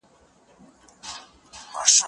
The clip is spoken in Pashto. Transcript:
لاس د زهشوم له خوا مينځل کيږي